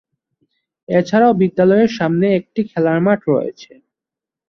এছাড়াও বিদ্যালয়ের সামনে একটি খেলার মাঠ রয়েছে।